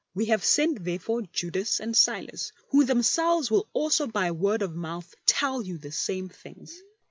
We have sent therefore Judas and Silas, who themselves will also by word of mouth tell jmu the same things.